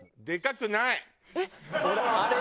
でかくない！